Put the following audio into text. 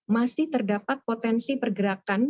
masih terdapat potensi pergerakan